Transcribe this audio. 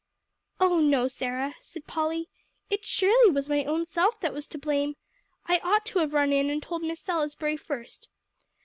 "Oh, no, Sarah," said Polly, "it surely was my own self that was to blame. I ought to have run in and told Miss Salisbury first.